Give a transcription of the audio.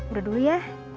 udah dulu ya